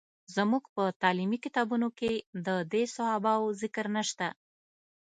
زموږ په تعلیمي کتابونو کې د دې صحابه وو ذکر نشته.